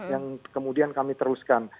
yang kemudian kami teruskan